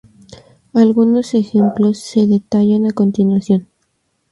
Algunos ejemplos se detallan a continuación.